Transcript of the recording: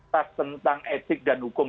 tas tentang etik dan hukum